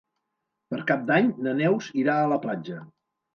Per Cap d'Any na Neus irà a la platja.